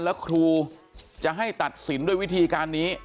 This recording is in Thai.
แล้วครูจะให้ตัดสินด้วยวิธีการนี้